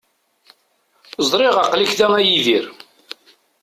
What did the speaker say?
Ẓriɣ aql-ik da, a Yidir.